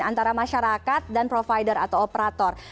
antara masyarakat dan provider atau operator